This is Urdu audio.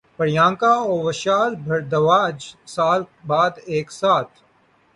پریانکا اور وشال بھردواج سال بعد ایک ساتھ